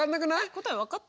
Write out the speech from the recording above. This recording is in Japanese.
答え分かった？